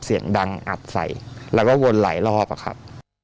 เสียงดังอัดใส่แล้วก็วนหลายรอบอะครับ